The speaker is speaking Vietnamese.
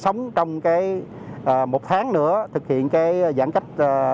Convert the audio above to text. sống trong một tháng nữa thực hiện cái giãn cách